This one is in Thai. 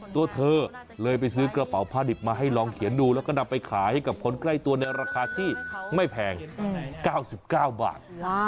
ตัวเธอเลยไปซื้อกระเป๋าผ้าดิบมาให้ลองเขียนดูแล้วก็นำไปขายให้กับคนใกล้ตัวในราคาที่ไม่แพง๙๙บาท